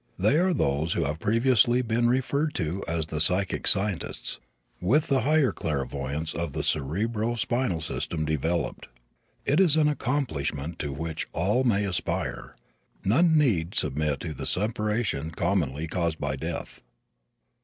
They are those who have previously been referred to as the psychic scientists, with the higher clairvoyance of the cerebro spinal system developed. It is an accomplishment to which all may aspire. None need submit to the separation commonly caused by death.